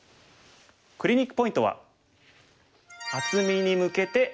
クリニックポイントは。